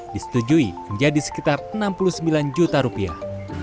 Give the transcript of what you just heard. disetujui menjadi sekitar enam puluh sembilan juta rupiah